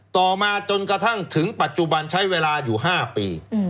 ต่อมาจนกระทั่งถึงปัจจุบันใช้เวลาอยู่๕ปี